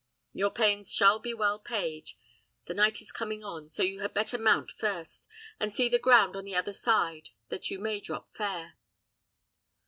Your pains shall be well paid. The night is coming on; so you had better mount first, and see the ground on the other side, that you may drop fair."